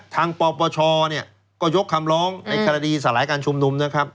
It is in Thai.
ทางปปชก็ยกคำร้องในศาลการชุมนุม